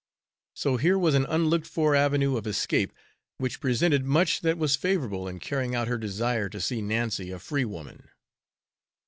So here was an unlooked for avenue of escape which presented much that was favorable in carrying out her desire to see Nancy a free woman.